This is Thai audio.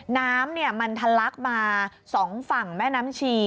น้ำมันทะลักมา๒ฝั่งแม่น้ำชี